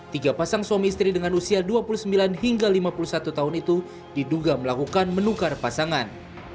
tiga pasang suami istri dengan usia dua puluh sembilan hingga lima puluh satu tahun itu diduga melakukan menukar pasangan